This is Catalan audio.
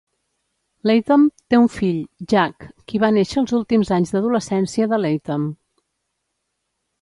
Latham té un fill, Jack, qui va néixer els últims anys d'adolescència de Latham.